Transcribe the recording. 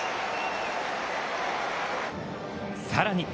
さらに。